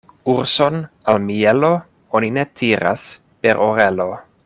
Urson al mielo oni ne tiras per orelo.